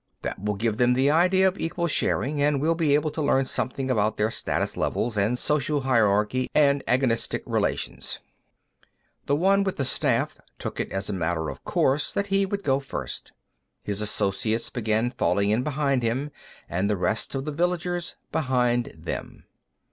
"That will give them the idea of equal sharing, and we'll be able to learn something about their status levels and social hierarchy and agonistic relations." The one with the staff took it as a matter of course that he would go first; his associates began falling in behind him, and the rest of the villagers behind them.